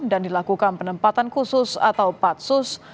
dan dilakukan penempatan khusus atau patsus